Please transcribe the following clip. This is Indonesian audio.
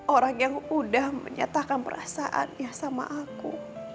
orang yang udah menyatakan perasaannya sama aku